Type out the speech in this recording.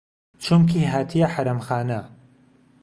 چومکی هاتیه حەرەمخانه